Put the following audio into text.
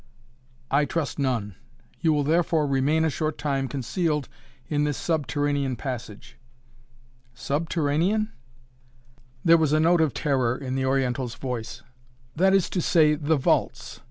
"I trust none! You will therefore remain a short time concealed in this subterranean passage." "Subterranean?" There was a note of terror in the Oriental's voice. "That is to say the vaults!